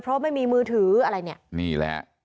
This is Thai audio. เพราะไม่มีมือถืออะไรเนี่ย